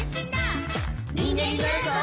「にんげんになるぞ！」